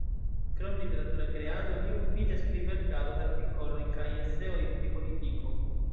Krom literatura kreado, li okupiĝas pri verkado de artikoloj kaj eseoj pri politiko.